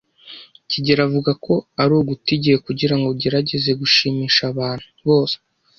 kigeli avuga ko ari uguta igihe kugirango ugerageze gushimisha abantu bose.